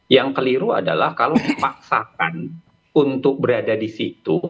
yang keliru adalah kalau memaksakan untuk berada di situ